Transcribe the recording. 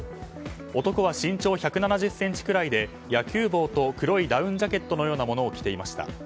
男は身長１７０ｃｍくらいで野球帽と黒いダウンジャケットのようなものを着ていました。